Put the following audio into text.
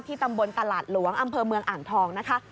ตำบลตลาดหลวงอำเภอเมืองอ่างทองนะคะ